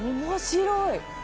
面白い！